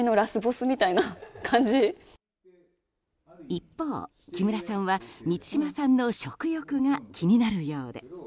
一方、木村さんは満島さんの食欲が気になるようで。